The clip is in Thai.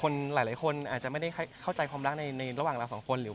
ผมเข้าใจว่าคุณอาจจะไม่ได้เข้าใจความรักระหว่างเราสองคน